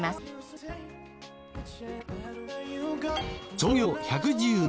創業１１０年。